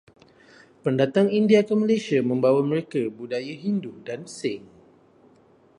Pendatang India ke Malaysia membawa mereka budaya Hindu dan Sikh.